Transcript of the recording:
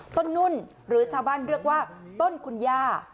นุ่นหรือชาวบ้านเรียกว่าต้นคุณย่า